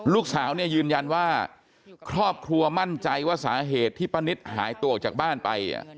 ลูกสาวเนี่ยยืนยันว่าครอบครัวมั่นใจว่าสาเหตุที่ป้านิตหายตัวออกจากบ้านไป